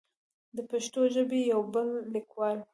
د پښتو ژبې يو بل ليکوال